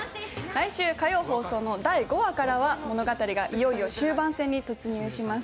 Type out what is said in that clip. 来週火曜放送の第５話からは物語がいよいよ終盤戦に突入します。